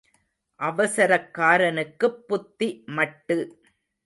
அவசரக்காரனுக்குப் புத்தி மட்டு.